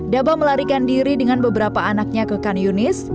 daba melarikan diri dengan beberapa anaknya ke kan yunis